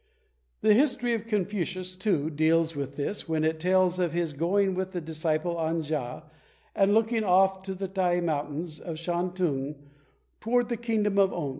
The History of Confucius, too, deals with this when it tells of his going with his disciple An ja and looking off from the Tai Mountains of Shan tung toward the kingdom of On.